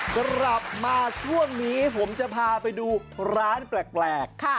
กลับมาช่วงนี้ผมจะพาไปดูร้านแปลก